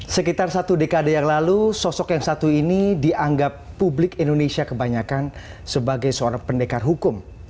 sekitar satu dekade yang lalu sosok yang satu ini dianggap publik indonesia kebanyakan sebagai seorang pendekar hukum